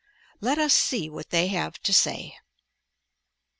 Let us see what they have to say.